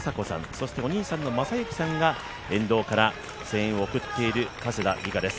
そしてお兄さんの雅之さんが沿道から声援を送っている加世田梨花です。